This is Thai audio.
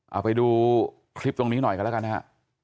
เอาไปดูคลิปตรงนี้หน่อยกันแล้วกันนะฮะ